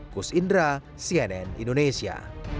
kus indra cnn indonesia